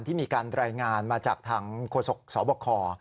ที่มีการรายงานมาจากทางโฆษกสบค